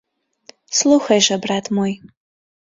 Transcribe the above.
Слухай жа, брат мой!